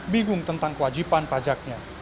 bingung tentang kewajipan pajaknya